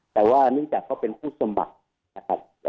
แต่ว่าเนื่องจากเขาเป็นผู้สมัครนะครับ